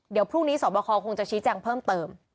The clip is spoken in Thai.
เดี๋ยวพรุ่งนี้สอบคอคงจะชี้แจงเพิ่มเติม